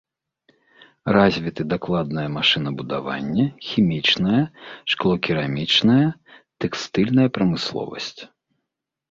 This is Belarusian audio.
Развіты дакладнае машынабудаванне, хімічная, шклокерамічная, тэкстыльная прамысловасць.